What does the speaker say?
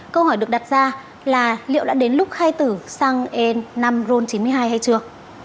câu hỏi được đặt ra là liệu đã đến lúc khai tử sang e năm ron chín mươi hai hay chưa